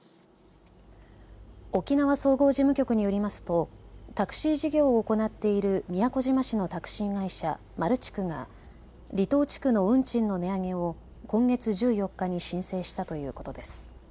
沖縄総合事務局によりますとタクシー事業を行っている宮古島地区のタクシー会社、まるちくが離島地区の運賃の値上げを今月１４日に申請したということです。